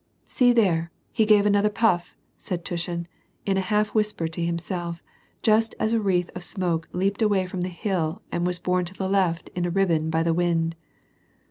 " See there, he gave another puff !" said Tushin, in a half whisper, to himself, just as a wreath of smoke leaped away from the hill and was borne to the left in a ribbon by the wind.